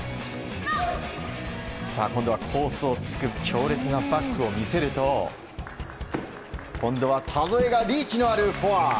今度はコースをつく強烈なバックを見せると今度は田添がリーチのあるフォア！